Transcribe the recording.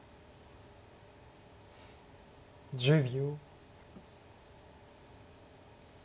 １０秒。